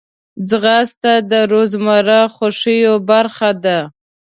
ځغاسته د روزمره خوښیو برخه ده